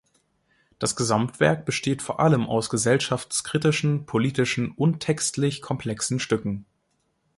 Das Gesamtwerk besteht vor allem aus gesellschaftskritischen, politischen und textlich komplexen Stücken.